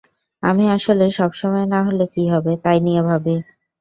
আমি আসলে সবসময়ে না হলে কী হবে, তাই নিয়ে ভাবি।